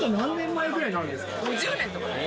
５０年とか。